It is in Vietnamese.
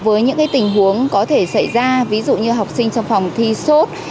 với những tình huống có thể xảy ra ví dụ như học sinh trong phòng thi sốt